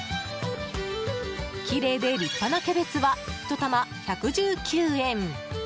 きれいで立派なキャベツはひと玉１１９円。